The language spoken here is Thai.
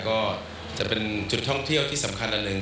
ก็จะเป็นจุดท่องเที่ยวที่สำคัญอันหนึ่ง